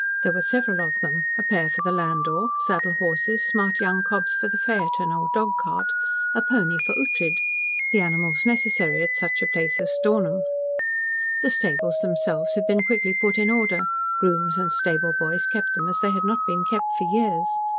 There were several of them a pair for the landau, saddle horses, smart young cobs for phaeton or dog cart, a pony for Ughtred the animals necessary at such a place at Stornham. The stables themselves had been quickly put in order, grooms and stable boys kept them as they had not been kept for years.